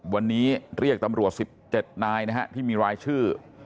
วันนี้เรียกตำรวจ๑๗นายนะฮะที่มีรายชื่อ